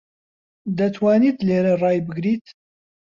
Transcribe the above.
دەتوانیت لێرە ڕای بگریت؟